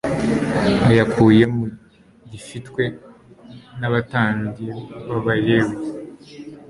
ayakuye mu gifitwe n'abatambyi b'abalewi